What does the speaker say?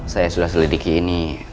saya sudah selidiki ini